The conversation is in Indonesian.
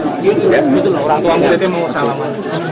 tuan tuan berarti mau usaha